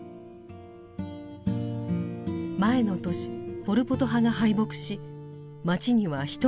前の年ポル・ポト派が敗北し街には人が戻っていました。